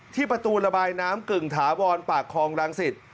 ประตูระบายน้ำกึ่งถาวรปากคลองรังสิต